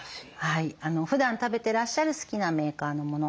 ふだん食べてらっしゃる好きなメーカーのもの。